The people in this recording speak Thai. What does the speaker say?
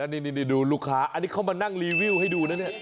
นี่ดูลูกค้าอันนี้เขามานั่งรีวิวให้ดูนะเนี่ย